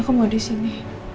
aku mau di sini